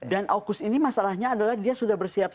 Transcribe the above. dan aukus ini masalahnya adalah dia sudah bersiap